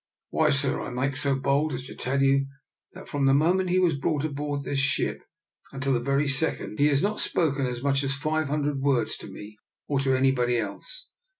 Why, sir, I make so bold as to tell you that 78 DR. NIKOLA'S EXPERIMENT. from the moment he was brought aboard this ship until this very second, he has not spokt as much as five hundred words to me or to anybody else.